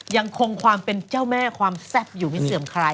ยังคงความเป็นเจ้าแม่ความแซ่บอยู่ไม่เสื่อมใคร